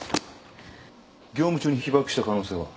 業務中に被ばくした可能性は？